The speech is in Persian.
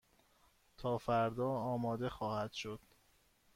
تا فردا آماده خواهد شد.